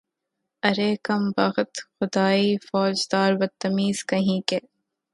ارے کم بخت، خدائی فوجدار، بدتمیز کہیں کے